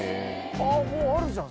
あぁもうあるじゃん。